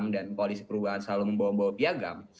dan koalisi perubahan selalu membawa bawa piagam